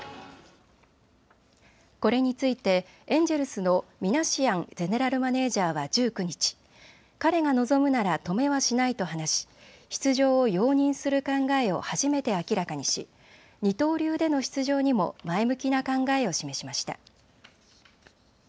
これについてエンジェルスのミナシアンゼネラルマネージャーは１９日、彼が望むなら止めはしないと話し出場を容認する考えを初めて明らかにし、二刀流での出場にも前向きな考えを示しました。